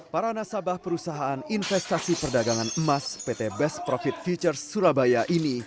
para nasabah perusahaan investasi perdagangan emas pt best profit futures surabaya ini